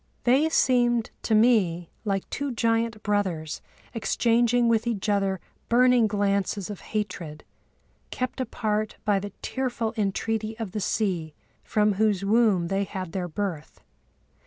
They seemed to me like two giant brothers exchanging with each other burning glances of hatred, kept apart by the tearful entreaty of the sea from whose womb they had their birth.